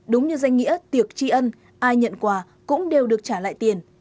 đúng như danh nghĩa tiệc trì ẩn ai nhận quà cũng đều được trả lại tiền